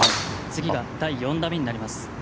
次が第４打目になります。